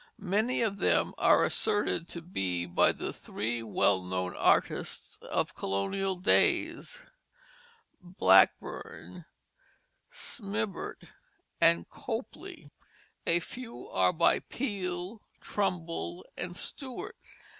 Many of them are asserted to be by the three well known artists of colonial days, Blackburn, Smibert, and Copley; a few are by Peale, Trumbull, and Stuart.